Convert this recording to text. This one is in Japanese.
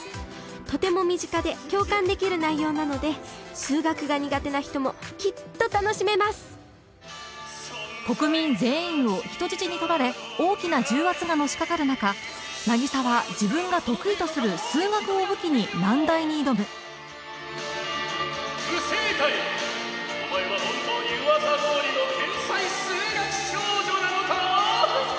とても身近で共感できる内容なので数学が苦手な人もきっと楽しめます国民全員を人質に取られ大きな重圧がのしかかる中渚は自分が得意とする不正解お前は本当に噂どおりの天才数学少女なのか？